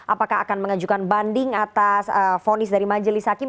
apakah akan mengajukan banding atas fonis dari majelis hakim